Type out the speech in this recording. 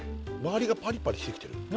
周りがパリパリしてきてる？